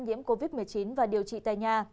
nhiễm covid một mươi chín và điều trị tại nhà